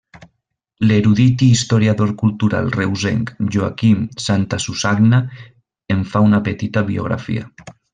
L'erudit i historiador cultural reusenc Joaquim Santasusagna en fa una petita biografia.